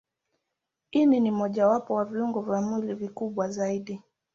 Ini ni mojawapo wa viungo vya mwili vikubwa zaidi.